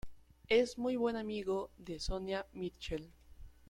Es muy buen amigo de Sonya Mitchell.